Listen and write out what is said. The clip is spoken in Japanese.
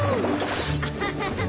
ハハハハッ。